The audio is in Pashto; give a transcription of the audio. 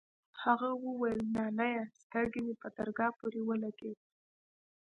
هغې وويل نانيه سترگه مې په درگاه پورې ولگېده.